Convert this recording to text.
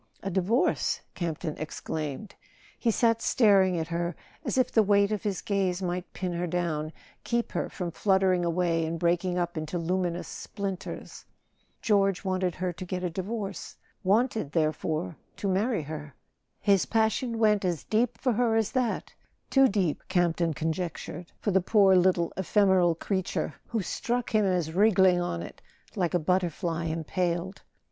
" "A divorce?" Campton exclaimed. He sat staring at her as if the weight of his gaze might pin her down, keep her from fluttering away and breaking up into luminous splinters. George wanted her to get a divorce —wanted, therefore, to marry her! His passion went as deep for her as that—too deep, Campton conjec¬ tured, for the poor little ephemeral creature, who struck him as wriggling on it like a butterfly impaled.